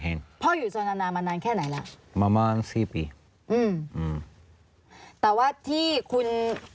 เห็นผมเห็น